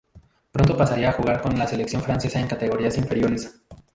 Pronto pasaría a jugar con la selección francesa en categorías inferiores.